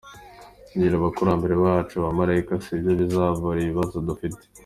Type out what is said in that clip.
Kugira abakurambere bacu abamalayika sibyo bizavura ibibazo dufite.